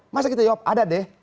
masa kita jawab ada deh